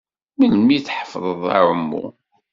Melmi i tḥefḍeḍ aɛummu?